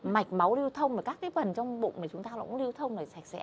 mạch máu lưu thông và các cái phần trong bụng này chúng ta cũng lưu thông sạch sẽ